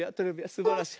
すばらしい。